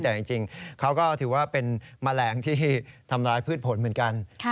แต่จริงเขาก็ถือว่าเป็นแมลงที่ทำร้ายพืชผลเหมือนกัน